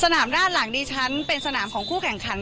สนามด้านหลังดิฉันเป็นสนามของคู่แข่งขัน